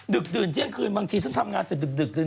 ดึกดื่นเที่ยงคืนบางทีฉันทำงานเสร็จดึกดื่นนะดู